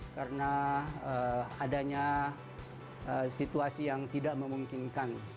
karena adanya situasi yang tidak memungkinkan